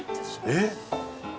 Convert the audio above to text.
えっ！？